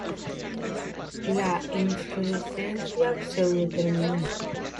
La inflorescencia pseudo-terminal.